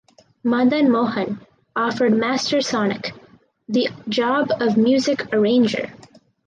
Madan Mohan offered Master Sonik the job of music arranger.